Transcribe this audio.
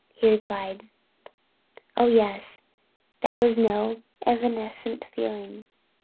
He replied, "Oh yes; that was no evanescent feeling.